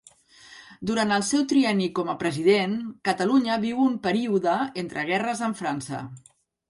Durant el seu trienni com a president, Catalunya viu un període entre guerres amb França.